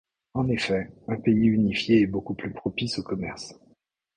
En effet, un pays unifié est beaucoup plus propice au commerce.